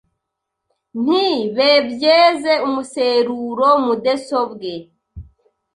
nti bebyeze umuseruro mudesobwe